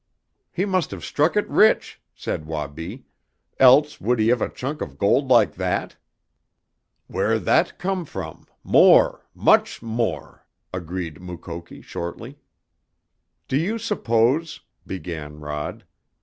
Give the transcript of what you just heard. _ "He must have struck it rich," said Wabi "else would he have a chunk of gold like that?" "Where that come from more, much more," agreed Mukoki shortly. "Do you suppose " began Rod.